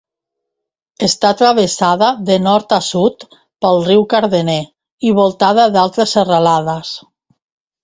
Està travessada de nord a sud, pel riu Cardener, i voltada d'altes serralades.